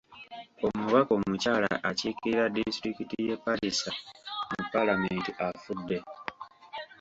Omubaka omukyala akiiririra disitulikiti y'e Palisa mu Paalamenti afudde.